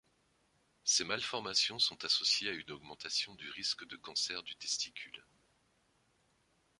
Ces malformations sont associées à une augmentation du risque de cancer du testicule.